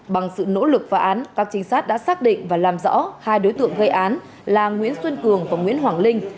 bằng sự nỗ lực phá án các trinh sát đã xác định và làm rõ hai đối tượng gây án là nguyễn xuân cường và nguyễn hoàng linh